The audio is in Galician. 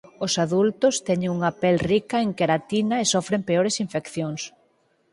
Os adultos teñen unha pel rica en queratina e sofren peores infeccións.